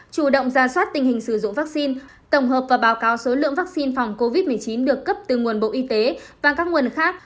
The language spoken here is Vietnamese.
chủ động ra soát tình hình sử dụng vaccine tổng hợp và báo cáo số lượng vaccine phòng covid một mươi chín được cấp từ nguồn bộ y tế và các nguồn khác